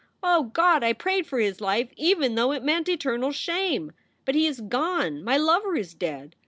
O God! I prayed for his life even though it meant eternal shame! But he is gone! My lover is dead!